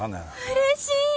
うれしい。